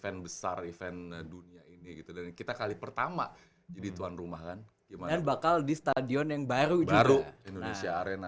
event besar event dunia ini gitu dan kita kali pertama jadi tuan rumah kan gimana bakal di stadion yang baru juru indonesia arena